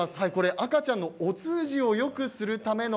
赤ちゃんのお通じをよくするための